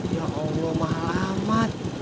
ya allah mahal amat